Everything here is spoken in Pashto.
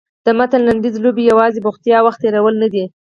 د متن لنډیز لوبې یوازې بوختیا او وخت تېرول نه دي.